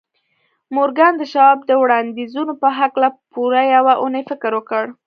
مورګان د شواب د وړانديزونو په هکله پوره يوه اونۍ فکر وکړ.